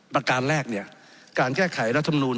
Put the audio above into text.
ประการแรกการแก้ไขรัฐธรรมนูญ